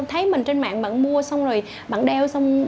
thấy mình trên mạng bạn mua xong rồi bạn đeo xong